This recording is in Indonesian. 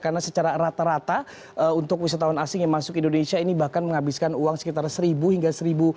karena secara rata rata untuk wisatawan asing yang masuk ke indonesia ini bahkan menghabiskan uang sekitar seribu hingga seribu